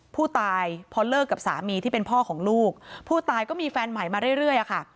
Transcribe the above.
ผู้ตายพอเลิกกับสามีที่เป็นพ่อของลูกผู้ตายก็มีแฟนใหม่มาเรื่อยอะค่ะ